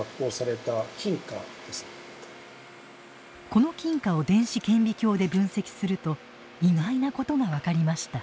この金貨を電子顕微鏡で分析すると意外なことが分かりました。